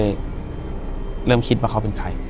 อยู่ที่แม่ศรีวิรัยิลครับ